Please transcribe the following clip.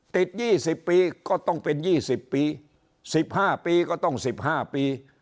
ติด๒๐ปีก็ต้องเป็น๒๐ปี๑๕ปีก็ต้อง๑๕ปี